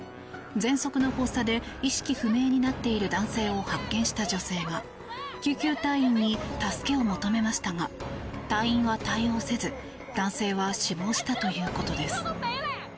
ぜんそくの発作で意識不明になっている男性を発見した女性が救急隊員に助けを求めましたが隊員は対応せず男性は死亡したということです。